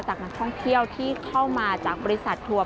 นักท่องเที่ยวที่เข้ามาจากบริษัททัวร์